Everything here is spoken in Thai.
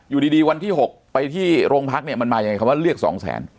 อยู่ดีวันที่๖ไปที่โรงพักเนี่ยมันมายังไงคำว่าเรียกสองแสน